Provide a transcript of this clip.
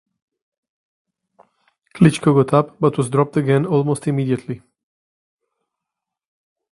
Klitschko got up but was dropped again almost immediately.